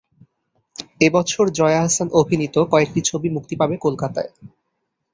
এ বছর জয়া আহসান অভিনীত কয়েকটি ছবি মুক্তি পাবে কলকাতায়।